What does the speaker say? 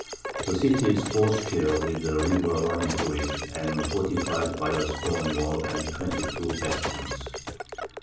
The City is four square, with a River running through it, and fortified by a Stone Wall and 22 Bastions.